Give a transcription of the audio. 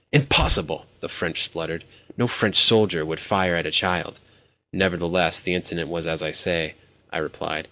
"Impossible!" the Frenchman spluttered. "No French soldier would fire at a child!" "Nevertheless the incident was as I say," I replied.